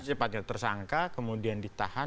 secepatnya tersangka kemudian ditahan